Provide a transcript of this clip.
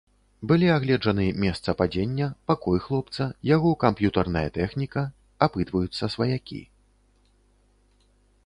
Былі агледжаны месца падзення, пакой хлопца, яго камп'ютарная тэхніка, апытваюцца сваякі.